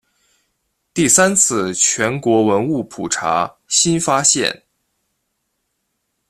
第三次全国文物普查新发现。